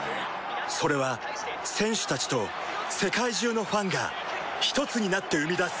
それは選手たちと世界中のファンがひとつになって生み出す